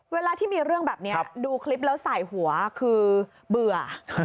เวลาที่มีเรื่องแบบนี้ดูคลิปแล้วใส่หัวคือเบื่อ